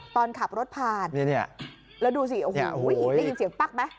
ตอนขับรถผ่านแล้วดูสิโอ้โหได้ยินเสียงปั๊กไหม